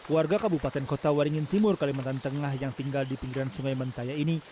warga kabupaten kota waringin timur kalimantan tengah yang tinggal di pinggiran sungai mentaya ini